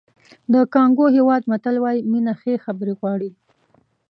د کانګو هېواد متل وایي مینه ښې خبرې غواړي.